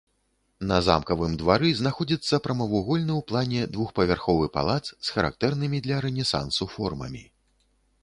На замкавым двары знаходзіцца прамавугольны ў плане двухпавярховы палац з характэрнымі для рэнесансу формамі.